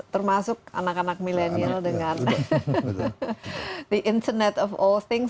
termasuk anak anak milenial dengan the internet of all things